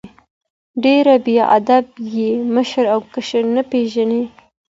ډېر بې ادب یې ، مشر او کشر نه پېژنې!